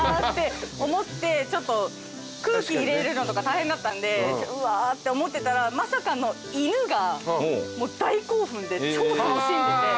空気入れるのとか大変だったんで「うわ」って思ってたらまさかの犬が大興奮で超楽しんでて。